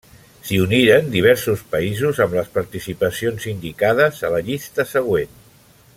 Si uniren diversos països amb les participacions indicades a la llista següent.